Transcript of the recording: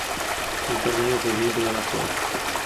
Il torneo fu vinto dalla Scozia.